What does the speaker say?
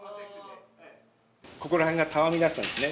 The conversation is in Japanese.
ここら辺がたわみだしたんですね。